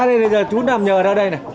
ra đây là chú nằm nhờ ra đây này